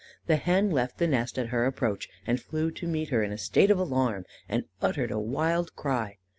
The hen left the nest at her approach, and flew to meet her in a state of alarm, and uttered a wild cry.